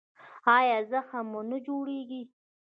ایا زخم مو نه جوړیږي؟